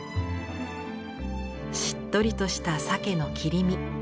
しっとりとした鮭の切り身。